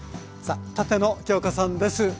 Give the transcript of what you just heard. さあ舘野鏡子さんです。